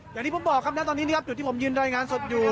อย่างที่ผมบอกครับณตอนนี้นะครับจุดที่ผมยืนรายงานสดอยู่